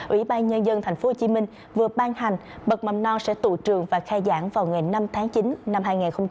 ủy ban nhân dân tp hcm vừa ban hành bậc mầm non sẽ tụ trường và khai giảng vào ngày năm tháng chín năm hai nghìn hai mươi